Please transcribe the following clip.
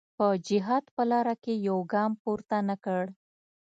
په جهاد په لاره کې یو ګام پورته نه کړ.